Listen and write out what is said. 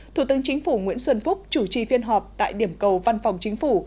thủ tướng chính phủ nguyễn xuân phúc chủ trì phiên họp tại điểm cầu văn phòng chính phủ